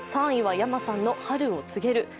３位はｙａｍａさんの「春を告げる」